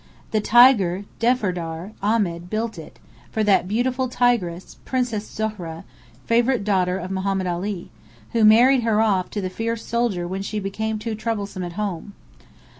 The "Tiger" Defterdar Ahmed built it, for that beautiful Tigress, Princess Zohra, favourite daughter of Mohammed Ali, who married her off to the fierce soldier when she became too troublesome at home.